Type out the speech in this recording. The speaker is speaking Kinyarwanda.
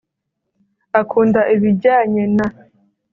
Akunda ibijyanye n